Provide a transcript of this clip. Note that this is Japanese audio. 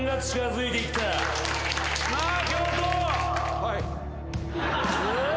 はい。